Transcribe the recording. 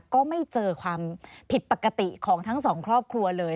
ก็ไม่เจอความผิดปกติของทั้งสองครอบครัวเลย